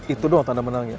itu doang tanda menang ya